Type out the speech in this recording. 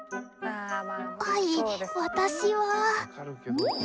「はい私は」。